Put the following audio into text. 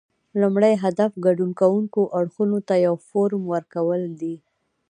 لومړی هدف ګډون کوونکو اړخونو ته یو فورم ورکول دي